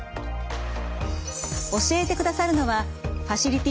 教えてくださるのはファシリティ